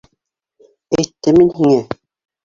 Әйттем мин һиңә!